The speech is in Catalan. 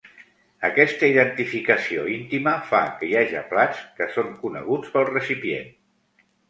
Aquesta identificació íntima fa que hi haja plats que són coneguts pel recipient.